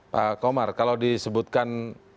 pak kumar kalau disebutkan